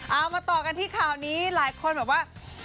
เอามาต่อกันที่ข่าวนี้หลายคนแบบว่า